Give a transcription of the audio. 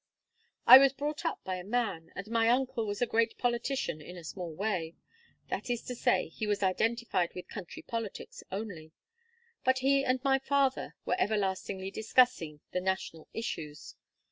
"I was brought up by a man, and my uncle was a great politician in a small way. That is to say he was identified with country politics only, but he and my father were everlastingly discussing the national issues.